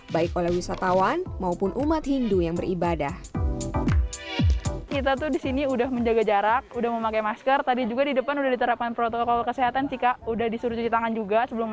baik oleh wisatawan maupun umat himil